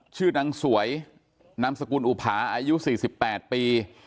ชื่อนางสวยนามสกุลอุภาอายุ๔๘ปี